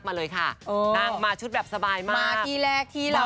มาเลยค่ะเออนั่งมาชุดแบบสบายมากมาที่แรกที่เรา